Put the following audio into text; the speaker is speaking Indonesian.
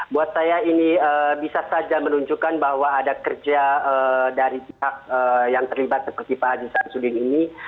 buat saya ini bisa saja menunjukkan bahwa ada kerja dari pihak yang terlibat seperti pak haji samsudin ini